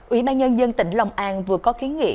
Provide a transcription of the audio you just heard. ủy ban nhân dân tỉnh lòng an vừa có khiến nghị